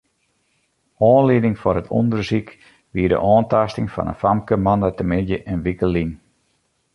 Oanlieding foar it ûndersyk wie de oantaasting fan in famke moandeitemiddei in wike lyn.